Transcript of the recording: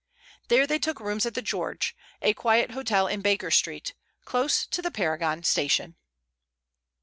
There they took rooms at the George, a quiet hotel in Baker Street, close to the Paragon Station.